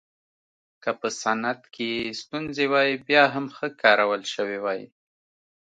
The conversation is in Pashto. که په صنعت کې ستونزې وای بیا هم ښه کارول شوې وای